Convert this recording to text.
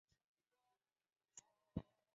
小距紫堇为罂粟科紫堇属下的一个种。